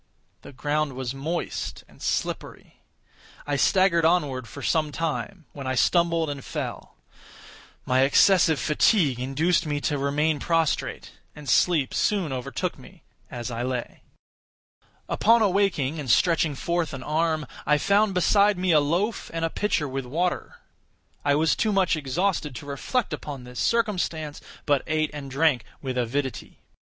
The ground was moist and slippery. I staggered onward for some time, when I stumbled and fell. My excessive fatigue induced me to remain prostrate; and sleep soon overtook me as I lay. Upon awaking, and stretching forth an arm, I found beside me a loaf and a pitcher with water. I was too much exhausted to reflect upon this circumstance, but ate and drank with avidity.